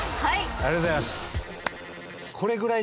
ありがとうございます！